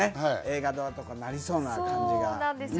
映画化とか、なりそうな感じが。